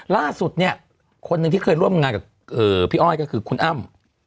ล่าสุดเนี่ยคนหนึ่งที่เคยร่วมงานกับพี่อ้อยก็คือคุณอ้ำ